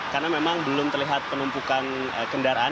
karena memang belum terlihat penumpukan kendaraan